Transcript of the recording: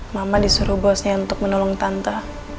mama disuruh bosnya untuk menolong tante